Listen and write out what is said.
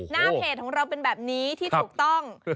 หน้าเพจของเราเป็นแบบนี้ที่ถูกต้อง